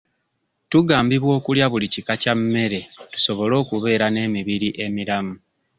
Tugambibwa okulya buli kika kya mmere tusobole okubeera n'emibiri emiramu.